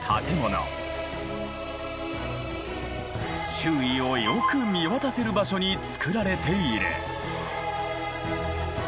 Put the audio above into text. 周囲をよく見渡せる場所に造られている。